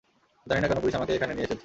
জানি না কেন পুলিশ আমাকে এখানে নিয়ে এসেছে।